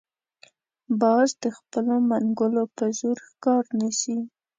باز د خپلو منګولو په زور ښکار نیسي